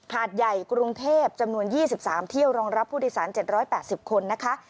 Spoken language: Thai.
หาดใหญ่กรุงเทพจำนวน๒๓เที่ยวรองรับผู้โดยสาร๗๘๐คนนะคะ